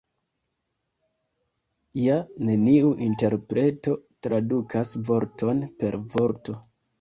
Ja neniu interpreto tradukas vorton per vorto.